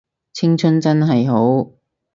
青春真係好